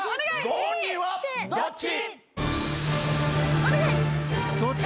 ご本人はどっち？